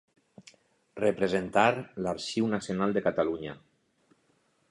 Representar l'Arxiu Nacional de Catalunya.